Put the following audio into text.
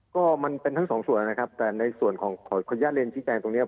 ก็มันเป็นทั้งสองส่วนนะครับแต่ในส่วนของขออนุญาตเรียนชี้แจงตรงนี้